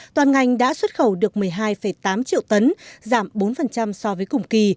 toàn ngành đã xuất khẩu được một mươi hai tám triệu tấn giảm bốn so với cùng kỳ